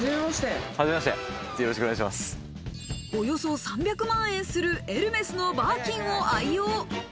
およそ３００万円するエルメスのバーキンを愛用。